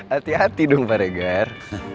hati hati dong pak reger